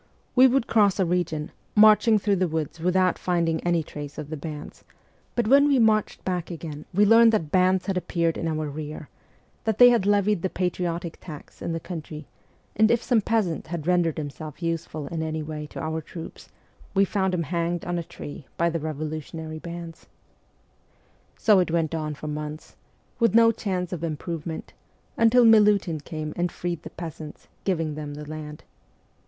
We would cross a region, marching through the woods without finding any trace of the bands ; but when we inarched back again we learned that bands had appeared in our rear, that they had levied the patriotic tax in the country, and if some peasant had rendered himself useful in any way to our troops we found him hanged on a tree by the revolutionary bands. So it went on for months, with no chance of improvement, until Milutin came and freed the peasants, giving them the land.